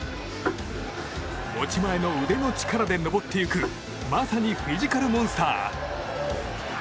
持ち前の腕の力で登っていくまさにフィジカルモンスター。